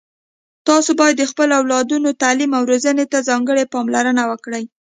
تاسو باید د خپلو اولادونو تعلیم او روزنې ته ځانګړي پاملرنه وکړئ